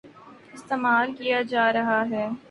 استعمال کیا جارہا ہے ۔